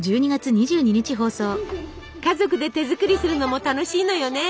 家族で手作りするのも楽しいのよね。